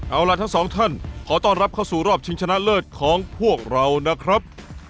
เอาล่ะทั้งสองท่านขอต้อนรับเข้าสู่รอบชิงชนะเลิศของพวกเรานะครับ